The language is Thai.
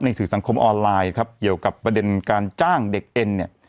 สื่อสังคมออนไลน์ครับเกี่ยวกับประเด็นการจ้างเด็กเอ็นเนี่ย